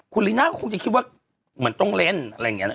คุณลิน่าคงจะคิดว่าเหมือนต้องเล่นอะไรเงี้ย